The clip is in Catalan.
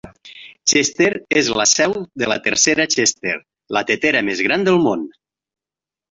Chester és la seu de la tetera Chester, la tetera més gran del món.